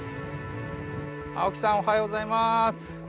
青木さんおはようございます。